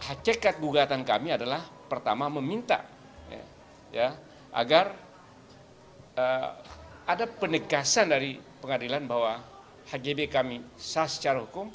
hakikat gugatan kami adalah pertama meminta agar ada penegasan dari pengadilan bahwa hgb kami sah secara hukum